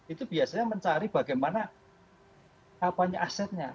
itu biasanya mencari bagaimana asetnya